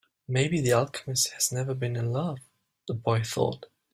Maybe the alchemist has never been in love, the boy thought.